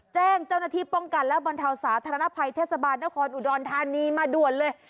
แจ้งเจ้าหน้าที่ป้องกันและบรรเทาสาธารณภัยเทศบาลนครอุดรธานีมาด่วนเลย